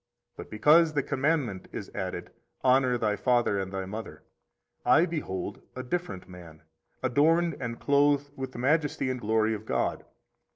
But because the commandment is added: Honor thy father and thy mother, I behold a different man, adorned and clothed with the majesty and glory of God.